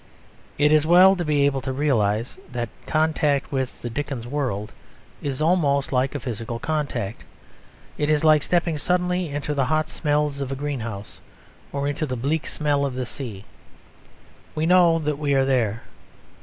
It is well to be able to realise that contact with the Dickens world is almost like a physical contact; it is like stepping suddenly into the hot smells of a greenhouse, or into the bleak smell of the sea. We know that we are there.